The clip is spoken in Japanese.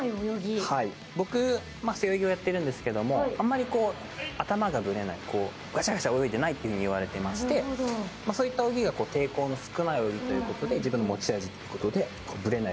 僕、背泳ぎをやってるんですけどもあまり頭がぶれないガシャガシャ泳いでないって言われてましてそういった泳ぎが抵抗の少ない泳ぎということで自分の持ち味ということでぶれない